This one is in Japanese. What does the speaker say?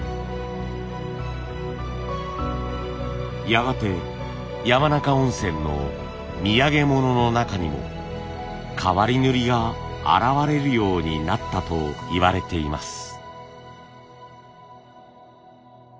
やがて山中温泉の土産物の中にも変わり塗が現れるようになったといわれています。